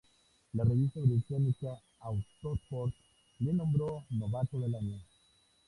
La revista británica Autosport le nombró novato del año.